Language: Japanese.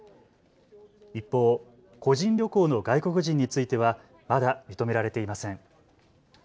一方、個人旅行の外国人についてはまだ認められていません。